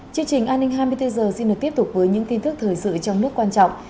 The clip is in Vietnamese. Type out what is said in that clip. chương trình an ninh hai mươi bốn h xin được tiếp tục với những tin tức thời sự trong nước quan trọng